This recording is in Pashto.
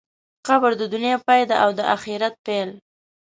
قبر د دنیا پای دی او د آخرت پیل.